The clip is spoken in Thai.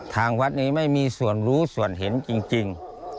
ทางวัดนี้ไม่มีส่วนรู้ส่วนเห็นจริง